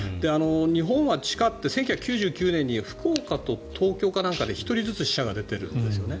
日本は地下って、１９９９年に福岡と東京かなんかで１人ずつ死者が出ているんですね。